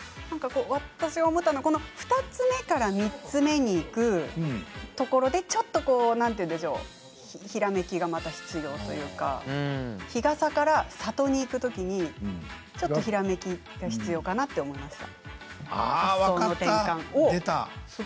私が思ったのは２つ目から３つ目にいくところで何て言うんでしょうか、ひらめきがまた必要というか日傘から里にいくときにちょっとひらめきが必要かなと思いました。